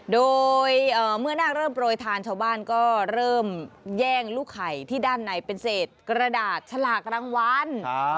โดยเมื่อนาคเริ่มโปรยทานชาวบ้านก็เริ่มแย่งลูกไข่ที่ด้านในเป็นเศษกระดาษฉลากรางวัล